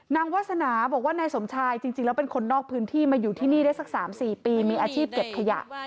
วาสนาบอกว่านายสมชายจริงแล้วเป็นคนนอกพื้นที่มาอยู่ที่นี่ได้สัก๓๔ปีมีอาชีพเก็บขยะ